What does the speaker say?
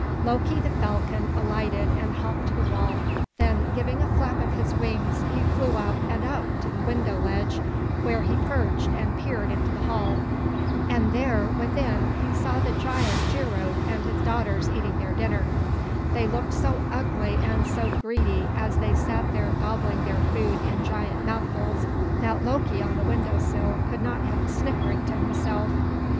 Loki the falcon alighted and hopped to the wall, then giving a flap of his wings he flew up and up to the window ledge, where he perched and peered into the hall. And there within he saw the giant Geirröd with his daughters eating their dinner. They looked so ugly and so greedy, as they sat there gobbling their food in giant mouthfuls, that Loki on the window sill could not help snickering to himself.